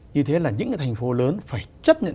như thế là những cái thành phố lớn phải chấp nhận